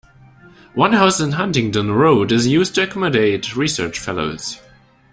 One house on Huntingdon Road is used to accommodate research fellows.